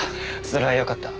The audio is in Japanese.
それはよかった。